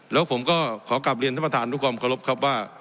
แล้วผมก็ขอกลับเรียนท่านประธานด้วยความเคารพครับว่า